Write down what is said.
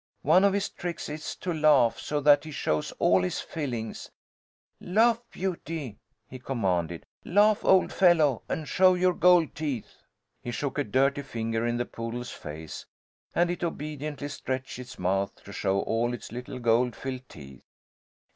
One of his tricks is to laugh so that he shows all his fillings. Laugh, Beauty!" he commanded. "Laugh, old fellow, and show your gold teeth!" He shook a dirty finger in the poodle's face, and it obediently stretched its mouth, to show all its little gold filled teeth.